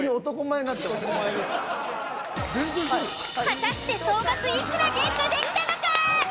［果たして総額幾らゲットできたのか？］